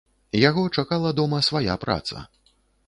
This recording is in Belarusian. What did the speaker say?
Яго чакала дома свая праца.